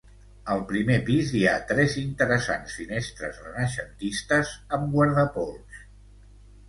Al primer pis hi ha tres interessants finestres renaixentistes amb guardapols.